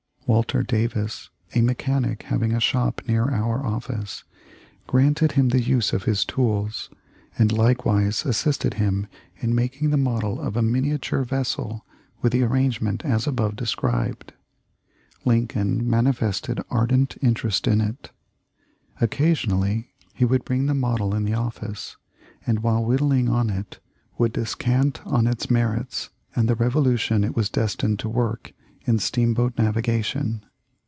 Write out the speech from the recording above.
Walter Davis, a mechanic having a shop near our office, granted him the use of this tools, and likewise assisted him in making the model of a miniature vessel with the arrangement as above described. Lincoln man ifested ardent interest in it. Occasionally he would THE LIFE OF LINCOLN. 299 bring the model in the office, and while whittling on it would descant on its merits and the revolution it was destined to work in steamboat navigation.